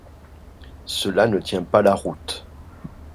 Cela ne tient pas la route.